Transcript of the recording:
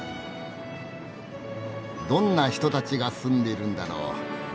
どんな人たちが住んでいるんだろう？